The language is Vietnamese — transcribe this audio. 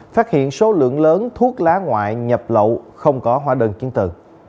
phát hiện số lượng lớn thuốc lá ngoại nhập lậu không có hóa đơn chiến tự